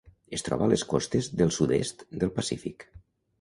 Es troba a les costes del sud-est del Pacífic.